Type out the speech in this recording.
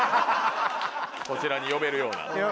こちらに呼べるような。